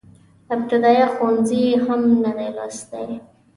ابتدائيه ښوونځی يې هم نه دی لوستی.